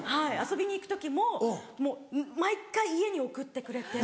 遊びに行く時も毎回家に送ってくれて。